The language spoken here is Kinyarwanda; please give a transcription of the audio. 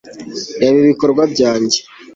reba ibikorwa byawe